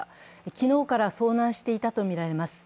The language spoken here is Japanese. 昨日から遭難していたとみられます。